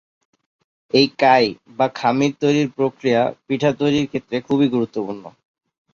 এই কাই বা খামির তৈরির প্রক্রিয়া পিঠা তৈরির ক্ষেত্রে খুবই গুরুত্বপূর্ণ।